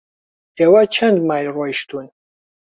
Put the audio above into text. ئێوە چەند مایل ڕۆیشتوون؟